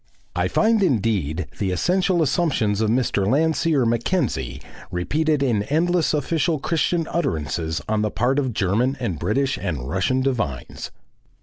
I find indeed the essential assumptions of Mr. Landseer Mackenzie repeated in endless official Christian utterances on the part of German and British and Russian divines.